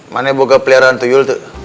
mana boga peliharaan tuyul tuh